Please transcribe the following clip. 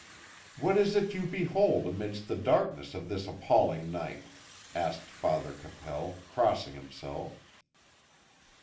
"What is it you behold amidst the darkness of this appalling night?" asked Father Capel, crossing himself.